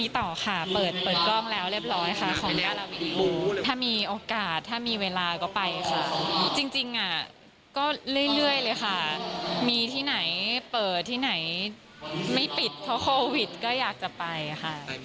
ถ้ามีโอกาสถ้ามีเวลาก็ไปค่ะจริงอ่ะก็เรื่อยเลยค่ะมีที่ไหนเปิดที่ไหนไม่ปิดเพราะโควิดก็อยากจะไปค่ะ